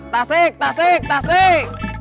tasik tasik tasik